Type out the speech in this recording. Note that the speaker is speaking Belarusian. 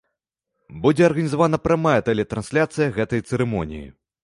Будзе арганізавана прамая тэлетрансляцыя гэтай цырымоніі.